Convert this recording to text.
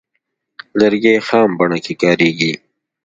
لرګی خام بڼه کې کاریږي.